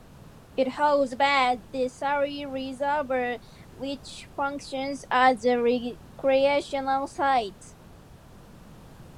It holds back the Surry Reservoir which functions as a recreational site.